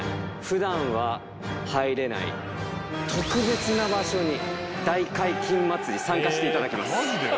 普段は入れない特別な場所に「大解禁祭り」参加していただきます。